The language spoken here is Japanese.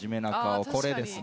これですね。